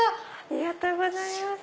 ありがとうございます。